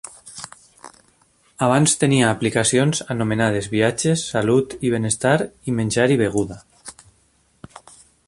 Abans tenia aplicacions anomenades Viatges, Salut i Benestar i Menjar i Beguda.